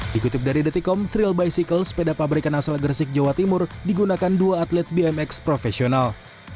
dikutip dari detikom thrill bicycle sepeda pabrikan asal gresik jawa timur digunakan dua atlet bmx profesional